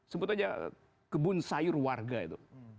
sebut aja kebun sayur warga itu